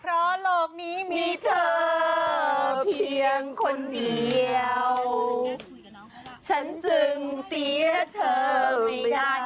เพราะโลกนี้มีเธอเพียงคนเดียวฉันจึงเสียเธอไม่ได้